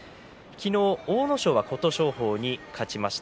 昨日、阿武咲は琴勝峰に勝ちました。